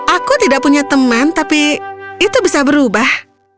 aku tidak punya teman tapi itu bisa berubah